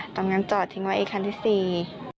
ตรงนั้นจอดทิ้งไว้ไอ้คันที่สี่